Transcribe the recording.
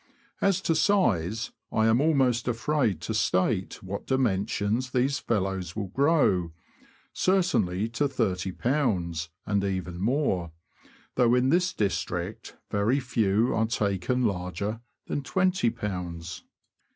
As to size, I am almost afraid to state to what dimensions these fellows will grow, certainly to 3olb., and even more, though in this district very few are taken larger than 2olb. U 290 THE LAND OF THE BROADS.